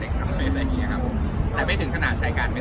ตอนเจ็บมันไม่รู้ตัวครับมันมารู้ตัวอยู่ครับต้องความวัดให้รักอย่างเงี้ย